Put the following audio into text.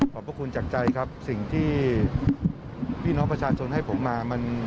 พระคุณจากใจครับสิ่งที่พี่น้องประชาชนให้ผมมามัน